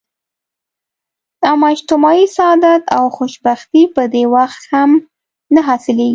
اما اجتماعي سعادت او خوشبختي په دې وخت هم نه حلاصیږي.